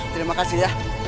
terima kasih ya